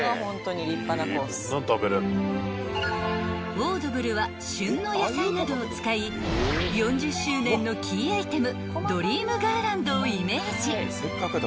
［オードブルは旬の野菜などを使い４０周年のキーアイテムドリームガーランドをイメージ］